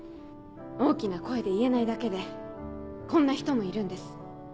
大きな声で言えないだけでこんな人もいるんです。